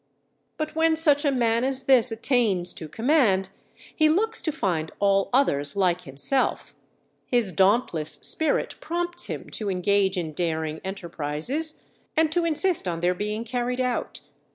_" But when such a man as this attains to command, he looks to find all others like himself; his dauntless spirit prompts him to engage in daring enterprises, and to insist on their being carried out.